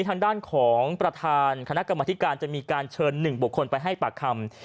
ทางด้านของประธานคณะกรรมธิการจะมีการเชิญ๑บุคคลไปให้ปากคำ